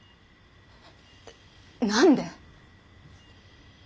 何で？